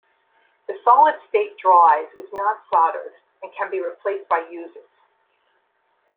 The solid state drive is not soldered and can be replaced by users.